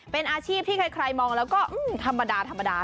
เป็นอาชีพที่ใครมองแล้วก็ธรรมดาธรรมดา